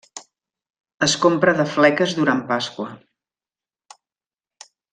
Es compra de fleques durant pasqua.